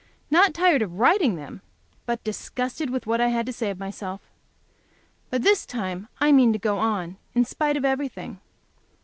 Not tired of writing them, but disgusted with what I had to say of myself. But this time I mean to go on, in spite of everything.